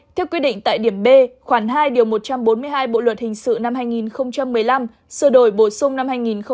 theo quy định tại điểm b khoảng hai một trăm bốn mươi hai bộ luật hình sự năm hai nghìn một mươi năm sửa đổi bổ sung năm hai nghìn một mươi bảy